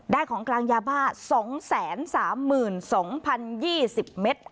ของกลางยาบ้า๒๓๒๐เมตร